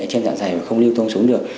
trên dạ dày và không lưu thông xuống được